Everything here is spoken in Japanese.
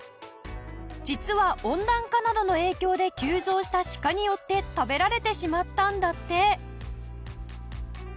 実は温暖化などの影響で急増したシカによって食べられてしまったんだって。